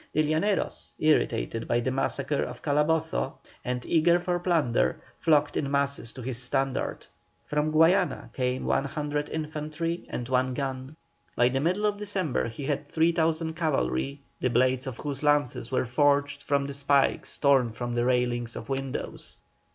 The Llaneros, irritated by the massacre of Calabozo, and eager for plunder, flocked in masses to his standard. From Guayana came 100 infantry and one gun. By the middle of December he had 3,000 cavalry, the blades of whose lances were forged from the spikes torn from the railings of windows.